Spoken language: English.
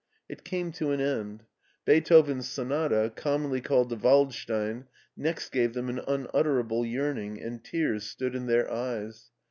It came to an end. Beethoven's sonata, commonly called the " Waldstein," next gave them an unutterable yearning, and tears stood in their eyes.